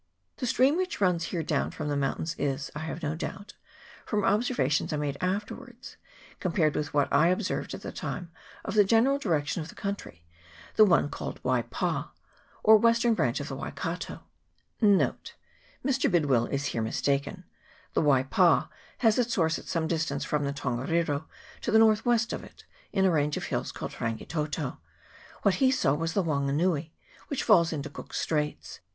The stream which runs here down from the mountain is, I have no doubt (from observations I made afterwards, compared with what I observed at the time of the general direction of the country), the one called the Waipa, 1 or western branch of the Waikato. It is here a noisy mountain torrent, about four feet deep. I regret that I did not ask 1 Mr. Bidwill is here mistaken ; the Waipa has its source at some distance from the Tongariro, to the north west of it, in a range of hills called Rangitoto. What he saw was the Wanganui, which falls into Cook's Straits.